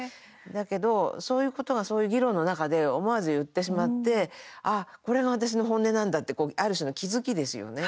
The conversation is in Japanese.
だけど、そういうことがそういう議論の中で思わず言ってしまって、これが私の本音なんだってある種の気付きですよね。